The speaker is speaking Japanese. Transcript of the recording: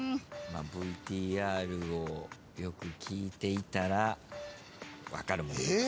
ＶＴＲをよく聞いていたら分かる問題です。